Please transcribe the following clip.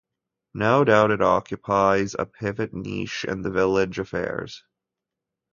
No doubt it occupies a pivot niche in the village affairs.